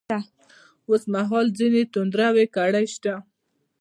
اوس مـهال ځــينې تـنـدروې کـړۍ شـتـه.